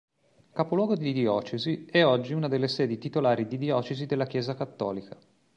Capoluogo di diocesi, è oggi una della sedi titolari di diocesi della Chiesa cattolica.